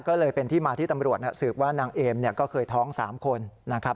ก็เลยเป็นที่มาที่ตำรวจสืบว่านางเอมก็เคยท้อง๓คนนะครับ